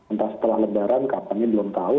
entah setelah lebaran kapannya belum tahu